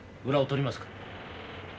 裏をとりますか？